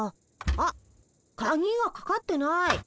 あっカギがかかってない。